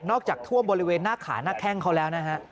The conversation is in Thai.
จากท่วมบริเวณหน้าขาหน้าแข้งเขาแล้วนะฮะ